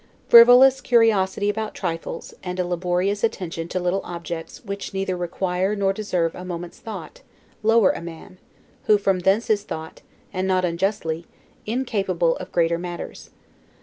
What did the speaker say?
Frivolous curiosity about trifles, and a laborious attention to little objects which neither require nor deserve a moment's thought, lower a man; who from thence is thought (and not unjustly) incapable of greater matters.